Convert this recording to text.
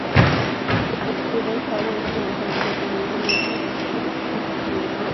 Friday Harbor es el aeropuerto predeterminado en el juego Microsoft Flight Simulator X